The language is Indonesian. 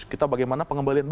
kita bagaimana pengembaliannya